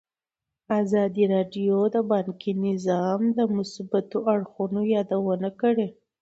ازادي راډیو د بانکي نظام د مثبتو اړخونو یادونه کړې.